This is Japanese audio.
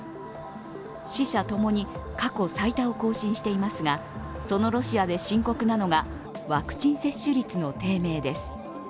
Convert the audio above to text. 死者ともに過去最多を更新していますがそのロシアで深刻なのが、ワクチン接種率の低迷です。